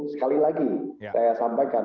sekali lagi saya sampaikan